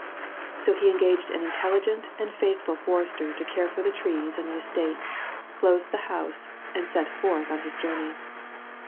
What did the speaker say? So he engaged an intelligent and faithful forester to care for the trees and the estate, dosed the house, and set forth on his journeys.